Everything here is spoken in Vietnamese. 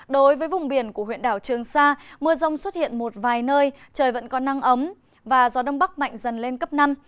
đối với vùng biển của huyện đảo trường sa mưa rông xuất hiện một vài nơi trời vẫn còn nắng ấm và gió đông bắc mạnh dần lên cấp năm